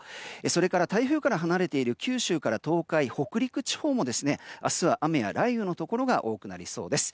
それから台風から離れている九州から東海、北陸地方も明日は雨や雷雨のところが多くなりそうです。